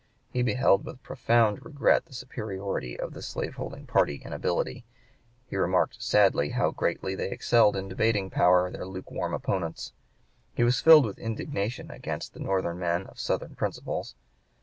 He beheld with profound regret the superiority of the slave holding party in ability; he remarked sadly how greatly they excelled in debating power their lukewarm opponents; he was filled with indignation against the Northern men of Southern principles.